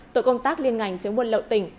tội công tác liên ngành chống buôn lậu tỉnh